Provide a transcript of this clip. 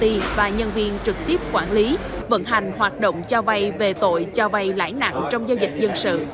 cơ quan cảnh sát điều tra công an tp hcm và nhân viên trực tiếp quản lý vận hành hoạt động cho vai về tội cho vai lãi nặng trong giao dịch dân sự